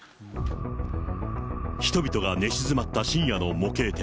人々が寝静まった深夜の模型店。